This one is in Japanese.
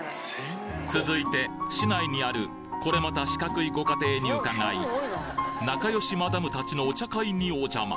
続いて市内にあるこれまた四角いご家庭に伺い仲良しマダムたちのお茶会にお邪魔。